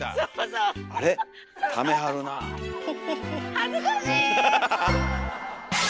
恥ずかしい！